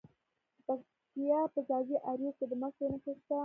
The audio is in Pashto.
د پکتیا په ځاځي اریوب کې د مسو نښې شته.